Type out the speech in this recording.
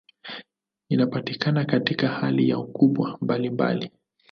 Inapatikana katika hali na ukubwa mbalimbali.